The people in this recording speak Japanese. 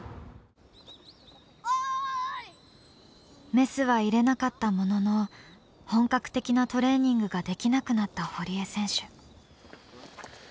メスは入れなかったものの本格的なトレーニングができなくなった堀江選手。